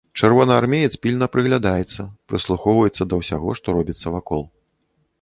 Чырвонаармеец пільна прыглядаецца, прыслухоўваецца да ўсяго, што робіцца вакол.